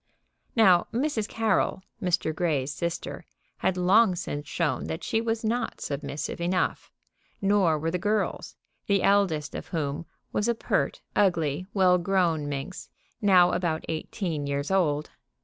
Now, Mrs. Carroll, Mr. Grey's sister, had long since shown that she was not submissive enough, nor were the girls, the eldest of whom was a pert, ugly, well grown minx, now about eighteen years old.